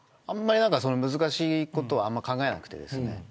あんまり、そんな難しいことをあんまり考えなくてですね